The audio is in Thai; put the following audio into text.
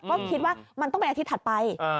ก็คิดว่ามันต้องเป็นอาทิตย์ถัดไป